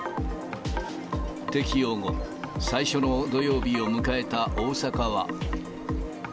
適用後、最初の土曜日を迎えた大阪は。